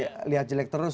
jangan lihat jelek terus